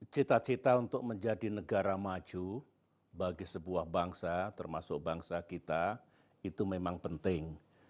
cita cita untuk menjadi negara maju bagi sebuah bangsa termasuk bangsa kita itu memang penting